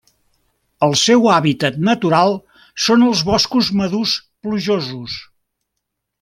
El seu hàbitat natural són els boscos madurs plujosos.